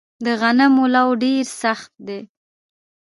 د غنمو لوو ډیر سخت دی